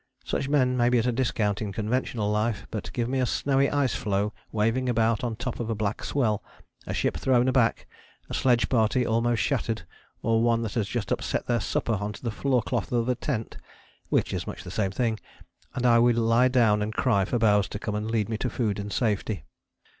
Such men may be at a discount in conventional life; but give me a snowy ice floe waving about on the top of a black swell, a ship thrown aback, a sledge party almost shattered, or one that has just upset their supper on to the floorcloth of the tent (which is much the same thing), and I will lie down and cry for Bowers to come and lead me to food and safety.